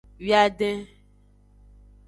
Wiaden.